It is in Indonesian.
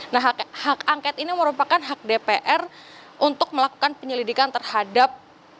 nah hak angket ini merupakan hak dpr untuk melakukan penyelidikan terhadap